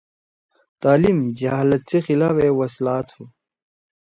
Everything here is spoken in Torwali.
تعلیم جہالت سی خلاف اے وسلا تُھو۔